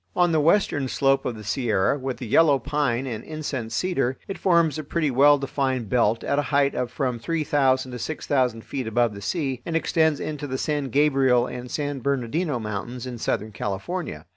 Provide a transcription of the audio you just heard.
On the western slope of the Sierra, with the yellow pine and incense cedar, it forms a pretty well defined belt at a height of from three thousand to six thousand feet above the sea, and extends into the San Gabriel and San Bernardino Mountains in Southern California.